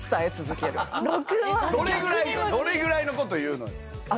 どれぐらいのこと言うのよああ